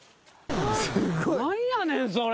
すごい。何やねんそれ。